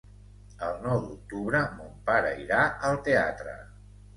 El nou d'octubre mon pare irà al teatre.